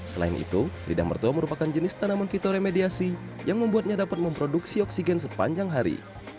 selain itu lidah mertua merupakan jenis tanaman fitoremediasi yang membuatnya dapat memproduksi oksigen sepanjang hari